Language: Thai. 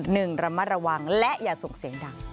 หนึ่งระมัดระวังและอย่าส่งเสียงดัง